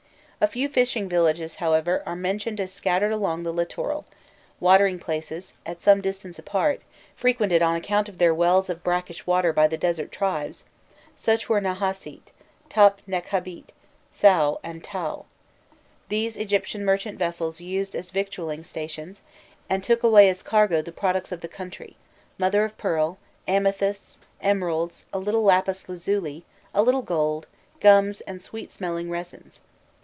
A few fishing villages, however, are mentioned as scattered along the littoral; watering places, at some distance apart, frequented on account of their wells of brackish water by the desert tribes: such were Nahasît, Tap Nekhabît, Saû, and Tâû: these the Egyptian merchant vessels used as victualling stations, and took away as cargo the products of the country mother of pearl, amethysts, emeralds, a little lapis lazuli, a little gold, gums, and sweet smelling resins.